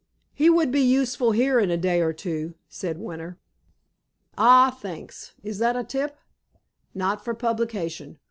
"He would be useful here in a day or two," said Winter. "Ah, thanks! Is that a tip?" "Not for publication.